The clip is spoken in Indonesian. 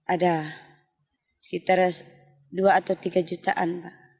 ada sekitar dua atau tiga jutaan